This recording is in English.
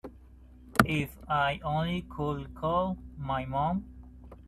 If I only could call my mom.